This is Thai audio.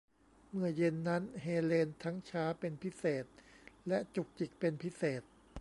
เมื่อเย็นนั้นเฮเลนทั้งช้าเป็นพิเศษและจุกจิกเป็นพิเศษ